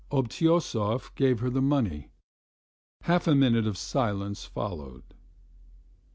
Obtyosov gave her the money. Half a minute of silence followed.